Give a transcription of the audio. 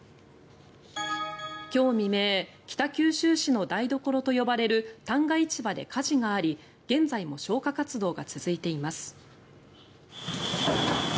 今日未明北九州市の台所と呼ばれる旦過市場で火事があり現在も消火活動が続いています。